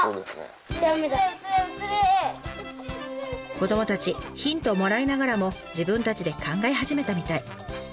子どもたちヒントをもらいながらも自分たちで考え始めたみたい。